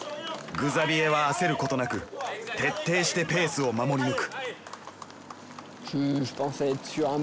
グザビエは焦ることなく徹底してペースを守り抜く。